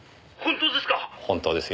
「本当ですか！？」